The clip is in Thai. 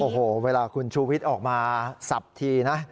โอ้โหเวลาคุณชูวิทย์ออกมาสับทีนะ